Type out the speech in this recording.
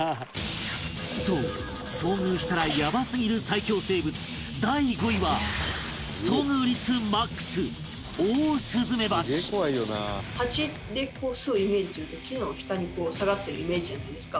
そう遭遇したらヤバすぎる最恐生物第５位は遭遇率マックスハチで巣をイメージすると木の下に下がってるイメージじゃないですか。